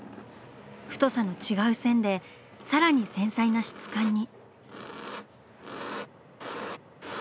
太さの違う線でさらに繊細な質感に。